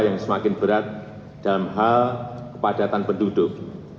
yang semakin berat dalam hal kepadatan penduduk